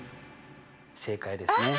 正解ですね。